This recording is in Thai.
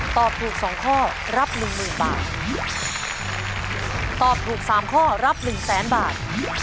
ตอบถูก๓ข้อรับ๑๐๐๐๐๐บาท